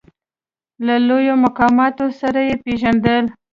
له لوړو مقاماتو سره یې پېژندل.